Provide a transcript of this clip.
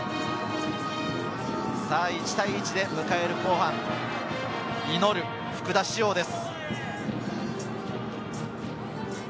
１対１で迎える後半、祈る福田師王です。